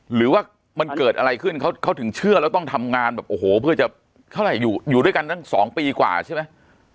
หรือว่ามันเกิดอะไรขึ้นเขาถึงเชื่อแล้วต้องทำงานแบบโอ้โหเพื่อจะเท่าไหร่อยู่ด้วยกันตั้ง๒ปีกว่าใช่ไหม